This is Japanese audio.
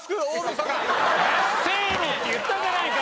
せーのって言ったじゃないか！